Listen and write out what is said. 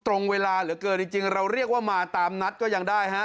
ตรงเวลาเหลือเกินจริงเราเรียกว่ามาตามนัดก็ยังได้ฮะ